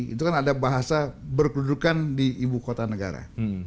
itu kan ada bahasa berkedudukan di ibu kota negara